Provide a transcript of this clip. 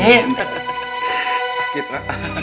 kayaknya pijat banget ya